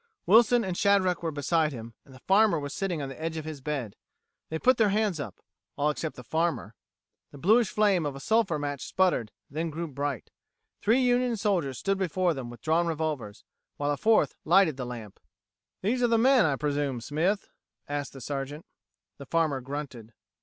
Wilson and Shadrack were beside him, and the farmer was sitting on the edge of his bed. They put their hands up all except the farmer. The bluish flame of a sulphur match sputtered, then grew bright. Three Union soldiers stood before them with drawn revolvers, while a fourth lighted the lamp. "These are the men, I presume, Smith?" asked the Sergeant. The farmer grunted.